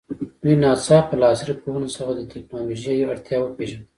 دوی ناڅاپه له عصري پوهنو څخه د تکنالوژي اړتیا وپېژانده.